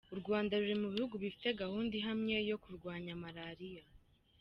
U Rwanda ruri mu bihugu bifite gahunda ihamye yo kurwanya Maraliya